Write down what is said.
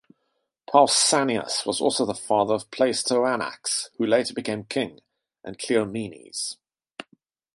Pausanias was also the father of Pleistoanax, who later became king, and Cleomenes.